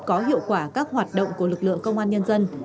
có hiệu quả các hoạt động của lực lượng công an nhân dân